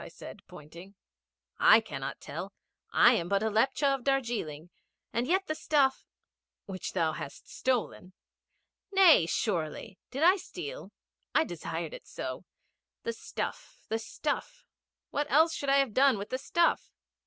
I said, pointing. 'I cannot tell. I am but a Lepcha of Darjeeling, and yet the stuff ' 'Which thou hast stolen.' 'Nay, surely. Did I steal? I desired it so. The stuff the stuff what else should I have done with the stuff?'